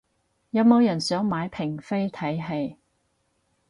有冇人想買平飛睇戲